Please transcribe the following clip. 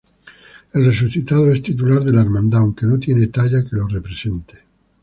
El Resucitado es titular de la hermandad aunque no tiene talla que lo represente.